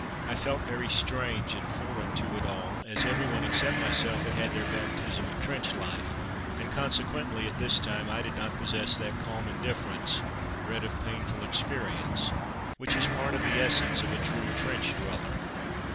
I felt very strange and foreign to it all, as everyone except myself had had their baptism of trench life, and, consequently, at this time I did not possess that calm indifference, bred of painful experience, which is part of the essence of a true trench dweller.